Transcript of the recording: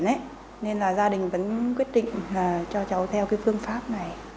nên là gia đình vẫn quyết định cho cháu theo cái phương pháp này